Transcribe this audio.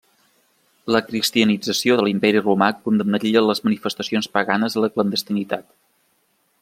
La cristianització de l'imperi Romà condemnarien les manifestacions paganes a la clandestinitat.